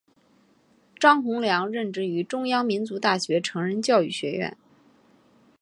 张宏良任职于中央民族大学成人教育学院。